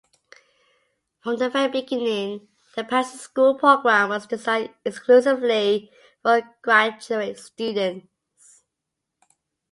From the very beginning, the Patterson School program was designed exclusively for graduate students.